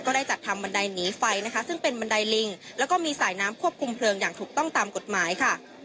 ได้จัดทำบันไดหนีไฟนะคะซึ่งเป็นบันไดลิงแล้วก็มีสายน้ำควบคุมเพลิงอย่างถูกต้องตามกฎหมายค่ะ